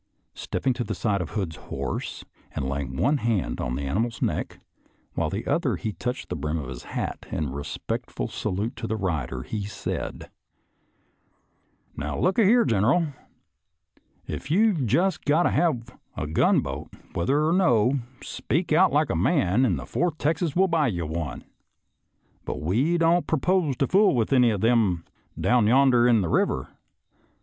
Step ping to the side of Hood's horse and laying one hand on the animal's neck, while with the other he touched the brim of his hat in respectful sa lute to the rider, he said :" Now look ah here, General, if you've just got to have a gunboat, whether or no, speak out like a man and the Fourth Texas will buy you one, but we don't pro pose to fool with any of them down yonder in the river.